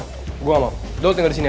gue gak mau lo tinggal disini aja